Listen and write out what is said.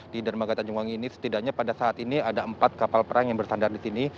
di dermaga tanjung wangi ini setidaknya pada saat ini ada empat kapal perang yang bersandar di sini